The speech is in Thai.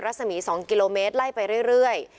สมี๒กิโลเมตรไล่ไปเรื่อย